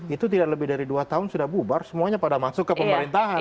itu tidak lebih dari dua tahun sudah bubar semuanya pada masuk ke pemerintahan